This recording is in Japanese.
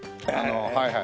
はいはい。